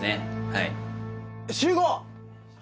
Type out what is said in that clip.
はい集合！